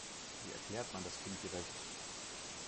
Wie erklärt man das kindgerecht?